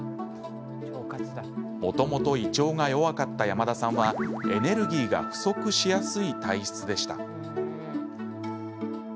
もともと胃腸が弱かった山田さんはエネルギーが不足しやすい体質でした。